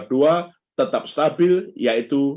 dan rp dua lima triliun